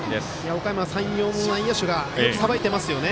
おかやま山陽も内野手がよくさばいていますよね。